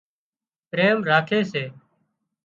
پريم راکي سي